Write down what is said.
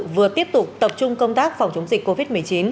vừa tiếp tục tập trung công tác phòng chống dịch covid một mươi chín